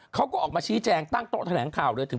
เขาก็ออกมาชี้แจงตั้งโต๊ะแถลงข่าวเลยถึง